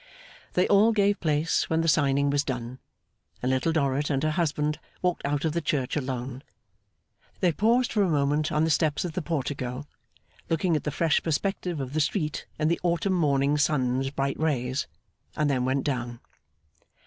They all gave place when the signing was done, and Little Dorrit and her husband walked out of the church alone. They paused for a moment on the steps of the portico, looking at the fresh perspective of the street in the autumn morning sun's bright rays, and then went down.